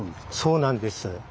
そうなんです。